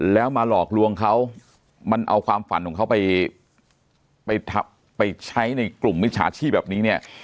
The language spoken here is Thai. แล้วมาหลอกลวงเขามันเอาความฝันของเขาไปไปใช้ในกลุ่มมิจฉาชีพแบบนี้เนี่ย